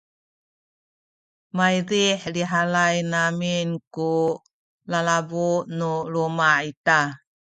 maydih lihalay amin ku lalabu nu luma’ ita